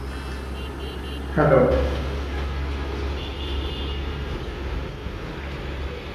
Emory Washburn won the race to succeed him.